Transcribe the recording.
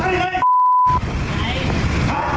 นี่นี่ไงครับ